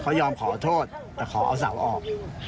เขายอมขอโทษแต่ขอเอาเสาออก